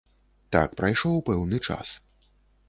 Так, прайшоў пэўны час.